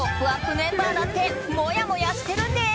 メンバーだってもやもやしているんです！